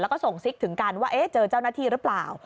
แล้วก็ส่งซิกถึงกันว่าเจอเจ้าหน้าที่หรือเปล่า